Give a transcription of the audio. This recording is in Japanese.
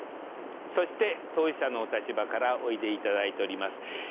そして当事者のお立場からおいでいただいております。